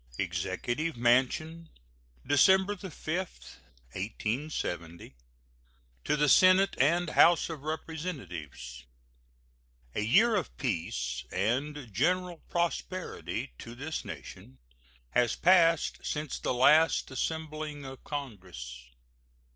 EXECUTIVE MANSION, December 5, 1870. To the Senate and House of Representatives: A year of peace and general prosperity to this nation has passed since the last assembling of Congress.